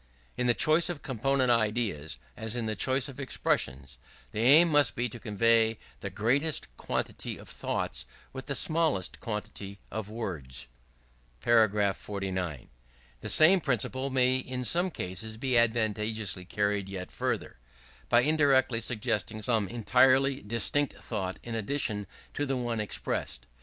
In the choice of component ideas, as in the choice of expressions, the aim must be to convey the greatest quantity of thoughts with the smallest quantity of words. § 49. The same principle may in some cases be advantageously carried yet further, by indirectly suggesting some entirely distinct thought in addition to the one expressed.